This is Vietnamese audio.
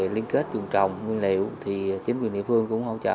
liên kết dùng trồng nguyên liệu thì chính quyền địa phương cũng hỗ trợ